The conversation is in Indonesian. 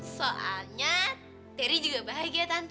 soalnya teri juga bahagia tante